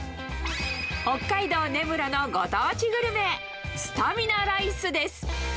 北海道根室のご当地グルメ、スタミナライスです。